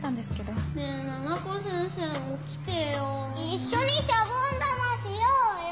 一緒にシャボン玉しようよ！